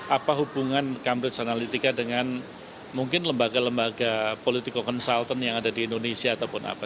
apa hubungan cambridge analytica dengan mungkin lembaga lembaga politiko konsultan yang ada di indonesia